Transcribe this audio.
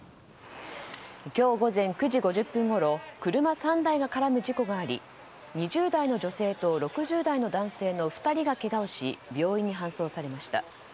今日午前９時５０分ごろ車３台が絡む事故があり２０代の女性と６０代の男性の２人がけがをし病院に搬送されました。